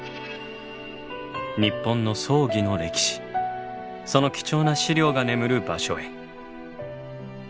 日本の葬儀の歴史その貴重な資料が眠る場所へ。